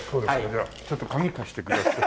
じゃあちょっと鍵貸してください。